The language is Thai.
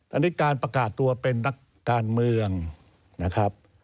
อันนี้การประกาศตัวเป็นนักการเมืองนะครับ